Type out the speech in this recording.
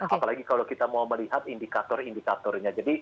apalagi kalau kita mau melihat indikator indikatornya